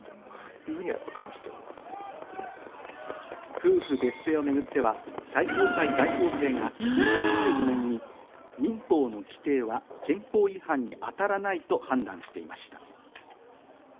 夫婦別姓をめぐっては、最高裁大法廷が２０１５年に民法の規定は憲法違反に当たらないと判断していました。